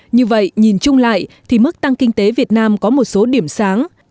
như vậy nhìn chung lại thì mức tăng kinh tế việt nam có một số điểm sáng